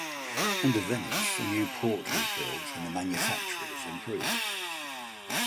Under Venice a new port was built and the manufacturers improved.